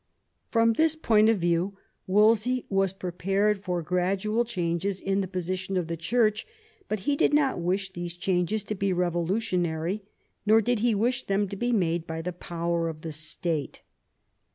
From this point of view Wolsey was prepared for gradual changes in the position of the Church ; but he did not wish those changes to be revolutionary, nor did he wish them to be made by the power of the State.